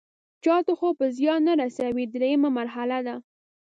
چاته خو به زیان نه رسوي دریمه مرحله ده.